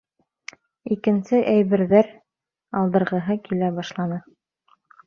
Икенсе әйбер-ҙәр алдырғыһы килә башланы.